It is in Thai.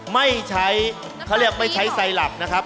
ไม่ใช้เขาเรียกไม่ใช้ไซลับนะครับ